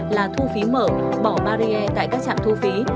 là thu phí mở bỏ barrier tại các trạm thu phí